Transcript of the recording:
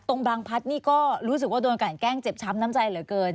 บางพัดนี่ก็รู้สึกว่าโดนกันแกล้งเจ็บช้ำน้ำใจเหลือเกิน